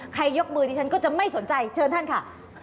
ยกมือดิฉันก็จะไม่สนใจเชิญท่านค่ะ